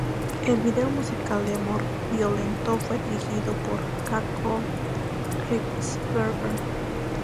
El video musical de "Amor violento" fue dirigido por Caco Kreutzberger.